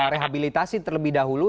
rehabilitasi terlebih dahulu